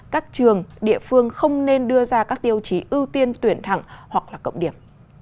các trường địa phương không nên đưa ra các tiêu chí ưu tiên tuyển thẳng hoặc là cộng điểm